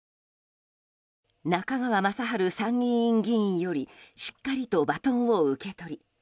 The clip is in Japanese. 中川雅治参議院議員よりしっかりバトンを受け取り